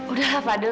udah lah fadil